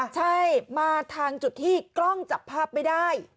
ใช่มาทางจุดที่กล้องจับภาพไม่ได้